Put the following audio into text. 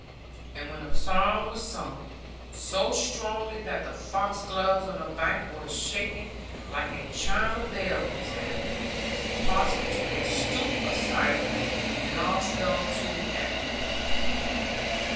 And when the psalm was sung, so strongly that the foxgloves on the bank were shaking, like a chime of bells, at it, Parson took a stoop of cider, and we all fell to at reaping.